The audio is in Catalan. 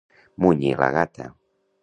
Munyir la gata.